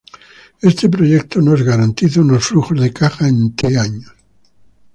Este proyecto, nos garantiza unos Flujos de Caja en "t" años.